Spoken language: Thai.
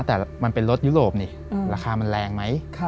แต่มันเป็นรถยุโรปนี่ราคามันแรงไหม